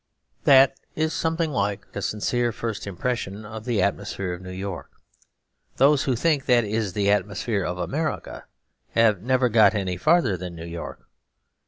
That is something like a sincere first impression of the atmosphere of New York. Those who think that is the atmosphere of America have never got any farther than New York.